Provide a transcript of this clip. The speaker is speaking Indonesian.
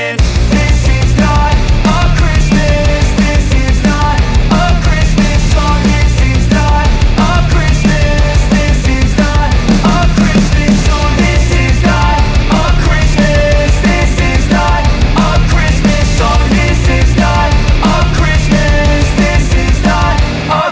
nur esaron berkelapan orang